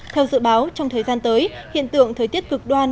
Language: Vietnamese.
theo dự báo trong thời gian tới hiện tượng thời tiết cực đoan